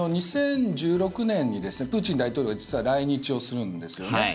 ２０１６年にプーチン大統領は実は来日をするんですよね。